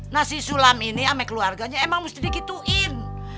nah si sulam ini sama keluarganya emang mesti dikituin